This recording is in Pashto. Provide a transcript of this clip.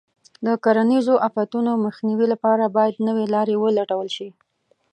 د کرنیزو آفتونو مخنیوي لپاره باید نوې لارې ولټول شي.